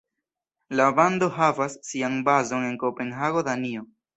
La bando havas sian bazon en Kopenhago, Danio.